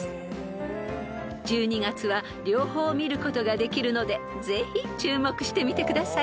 ［１２月は両方見ることができるのでぜひ注目してみてください］